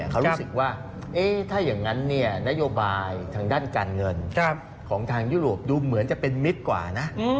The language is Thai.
เขารู้สึกว่าถ้าอย่างนั้นนโยบายทางด้านการเงินของทางยุโรปดูเหมือนจะเป็นมิตรกว่านะ